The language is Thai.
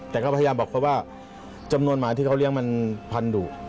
แต่ก็พยายามบอกเขาว่าจำนวนหมาที่เขาเลี้ยงมันพันดุ